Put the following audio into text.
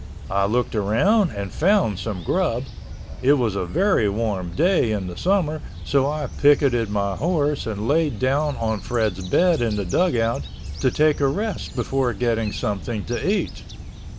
I looked around and found some grub. It was a very warm day in the summer so I picketed my horse and laid down on Fred's bed in the dugout to take a rest before getting something to eat.